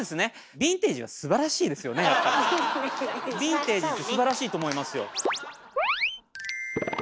「ヴィンテージ」ってすばらしいと思いますよ。